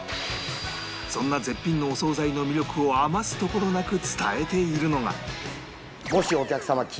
そんな絶品のお惣菜の魅力を余すところなく伝えているのが